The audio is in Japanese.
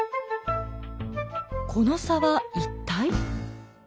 この差は一体？